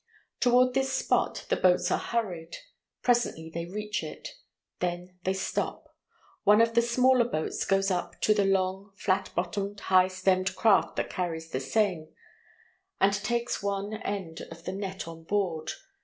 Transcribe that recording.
Toward this spot the boats are hurried. Presently they reach it. Then they stop. One of the smaller boats goes up to the long flat bottomed, high stemmed craft that carries the seine, and takes one end of the net on board.